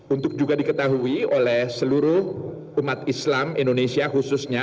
untuk juga diketahui oleh seluruh umat islam indonesia khususnya